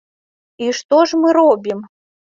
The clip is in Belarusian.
І што ж мы робім?